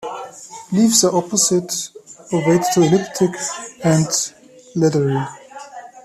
Leaves are opposite, ovate to elliptic, and leathery.